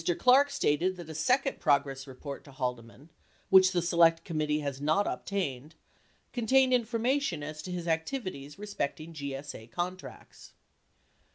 Clarke stated that a second progress report to Haldeman — which the Select Committee has not obtained — contained information as to his activities respecting GSA contracts.